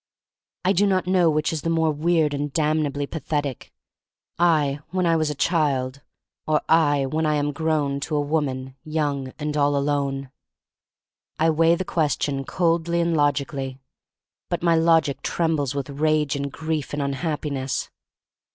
I do not know which is the more weirdly and damnably pathetic: I when I was a child, or I when I am grown to 65 r r^ 66 THE STORY OF MARY MAC LANE a woman, young and all alone. I weigh the question coldly and logically, but my logic trembles with rage and grief and unhappiness.